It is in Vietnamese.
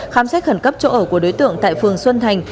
khám xét khẩn cấp chỗ ở của đối tượng tại phường xuân thành